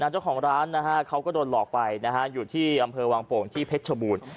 เจ้าของร้านเขาก็โดนหลอกไปอยู่ที่อำเภอวังโป่งที่เพชรชบูรณ์